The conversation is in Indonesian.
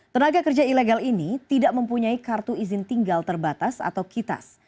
tenaga kerja ilegal ini tidak mempunyai kartu izin tinggal terbatas atau kitas